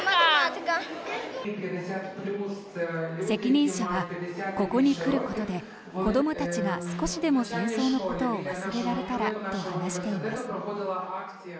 責任者はここに来ることで子どもたちが少しでも戦争のことを忘れられたらと話しています。